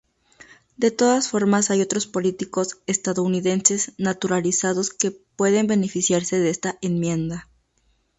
De todas formas hay otros políticos estadounidenses naturalizados que pueden beneficiarse de esta enmienda.